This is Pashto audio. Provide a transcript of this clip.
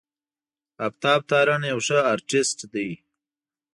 آفتاب تارڼ یو ښه آرټسټ دی.